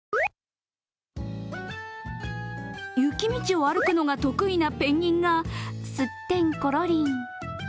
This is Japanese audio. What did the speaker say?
雪道を歩くのが得意なペンギンがすってんころりん。